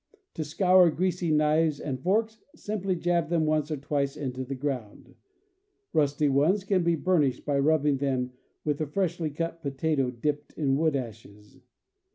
To scour greasy knives and forks, simply jab them once or twice into the ground. Rusty ones can be burnished by rubbing with a freshly cut potato dipped in wood ashes.